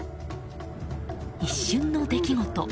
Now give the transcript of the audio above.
一瞬の出来事。